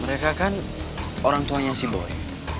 mereka kan orang tuanya si boy